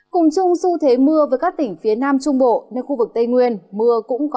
cùng chung du thế mưa với các tỉnh phía nam trung bộ nơi khu vực tây nguyên